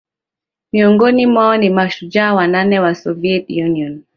Miongoni mwao ni mashujaa wanane wa Soviet Union